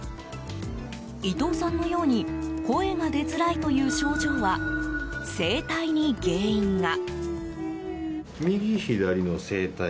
伊藤さんのように声が出づらいという症状は声帯に原因が。